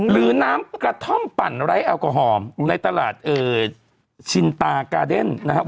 หรือน้ำกระท่อมปั่นไร้แอลกอฮอล์ในตลาดชินตากาเดนนะครับ